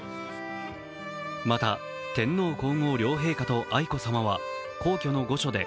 また、天皇皇后両陛下と愛子さまは、皇居の御所で